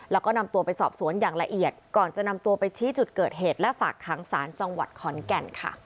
แล้วก็นำตัวไปสอบสวนอย่างละเอียดก่อนจะนำตัวไปชี้จุดเกิดเหตุและฝากขังศาลจังหวัดขอนแก่นค่ะ